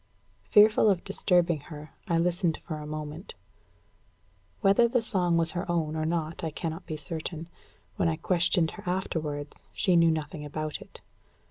Fearful of disturbing her, I listened for a moment. Whether the song was her own or not, I cannot be certain. When I questioned her afterwards, she knew nothing about it.